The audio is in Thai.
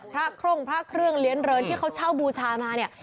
พระคร่งพระเครื่องเลี้ยงเรินที่เขาเช่าบูชามาเนี่ย